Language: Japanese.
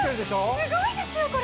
すごいですよこれ！